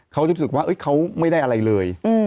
เขารู้สึกว่าเขาไม่ได้อะไรเลย